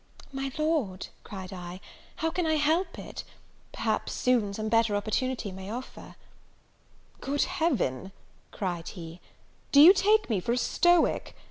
"My Lord," cried I, "how can I help it? perhaps, soon, some better opportunity may offer " "Good Heaven!" cried he, "do you take me for a Stoic!